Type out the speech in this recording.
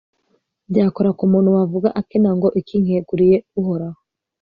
byakora ku muntu wavuga akina ngo iki nkeguriye uhoraho